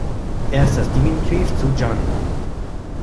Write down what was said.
Er ist das Diminutiv zu "Jeanne".